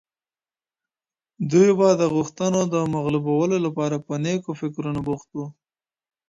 دوی به د غوښتنو د مغلوبولو لپاره په نېکو فکرونو بوخت وو.